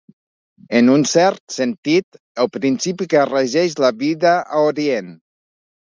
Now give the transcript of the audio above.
En un cert sentit, el principi que regeix la vida a Orient.